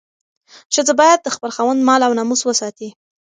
ښځه باید د خپل خاوند مال او ناموس وساتي.